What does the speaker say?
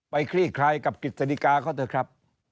คลี่คลายกับกฤษฎิกาเขาเถอะครับ